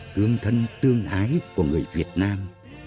tương thân tương ái của người việt nam